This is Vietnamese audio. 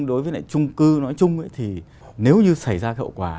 đối với lại trung cư nói chung thì nếu như xảy ra hậu quả